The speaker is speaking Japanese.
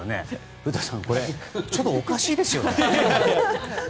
古田さん、これちょっとおかしいですよね。